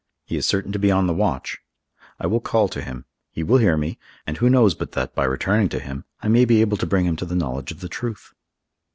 He is certain to be on the watch. I will call to him; he will hear me, and who knows but that, by returning to him, I may be able to bring him to the knowledge of the truth?"